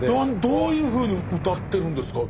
どういうふうに謡ってるんですか？